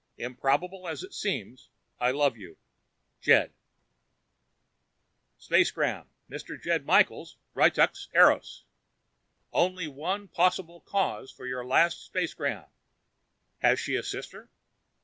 IMPROBABLE AS IT SEEMS, I LOVE YOU. JED SPACEGRAM Mr. Jed Michaels, Ryttuk, Eros ONLY ONE POSSIBLE CAUSE FOR YOUR LAST SPACEGRAM. HAS SHE A SISTER?